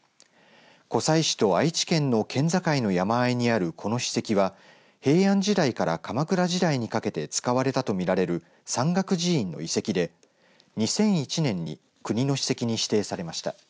湖西市と愛知県の県境の山あいにあるこの史跡は平安時代から鎌倉時代にかけて使われたと見られる山岳寺院の遺跡で２００１年に国の史跡に指定されました。